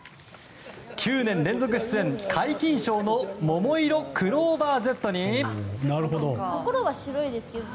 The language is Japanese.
９年連続出演、皆勤賞のももいろクローバーＺに。